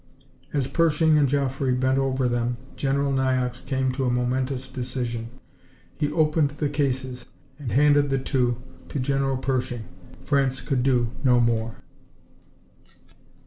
As Pershing and Joffre bent over them General Niox came to a momentous decision. He opened the cases and handed the two to General Pershing. France could do no more.